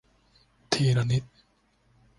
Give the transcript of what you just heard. ทีละนิด